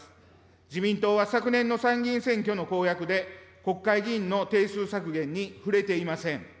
自民党は昨年の参議院選挙の公約で、国会議員の定数削減に触れていません。